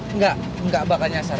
enggak enggak bakal nyasar